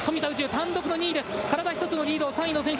単独の２位です。